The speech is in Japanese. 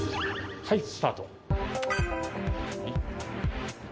はいスタート。